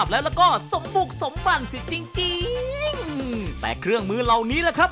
และนี่คือเครื่องมือช่างครับ